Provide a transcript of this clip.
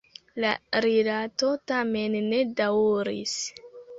La rilato tamen ne daŭris.